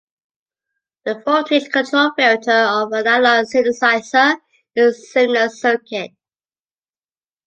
The voltage-controlled filter of an analog synthesizer is a similar circuit.